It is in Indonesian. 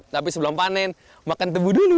tapi sebelum panen makan tebu dulu